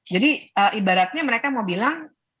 jadi ibaratnya mereka mau bilang